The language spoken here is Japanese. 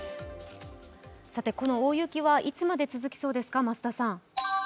この大雪はいつまで続きそうですか、増田さん。